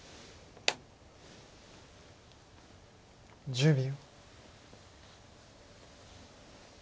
１０秒。